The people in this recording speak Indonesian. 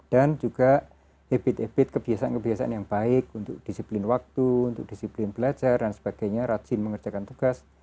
dan juga ebit ebit kebiasaan kebiasaan yang baik untuk disiplin waktu untuk disiplin belajar dan sebagainya rajin mengerjakan tugas